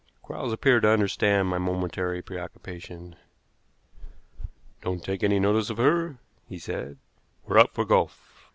Quarles appeared to understand my momentary preoccupation. "Don't take any notice of her," he said. "We're out for golf.